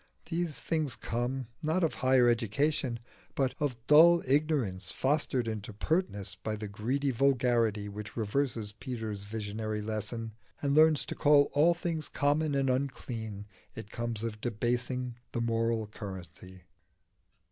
These things come not of higher education, but of dull ignorance fostered into pertness by the greedy vulgarity which reverses Peter's visionary lesson and learns to call all things common and unclean. It comes of debasing the moral currency.